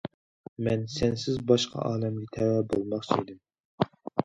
مەن سەنسىز باشقا ئالەمگە تەۋە بولماقچى ئىدىم.